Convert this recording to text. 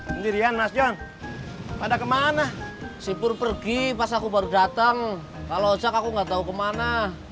sendirian mas john pada kemana sipur pergi pas aku baru datang kalau ocak aku nggak tahu kemana